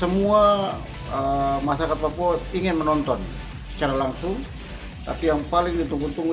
semua masyarakat papua ingin menonton secara langsung tapi yang paling ditunggu tunggu